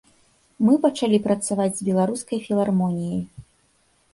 Мы пачалі працаваць з беларускай філармоніяй.